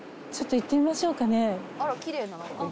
ちょっと行ってみましょうかね。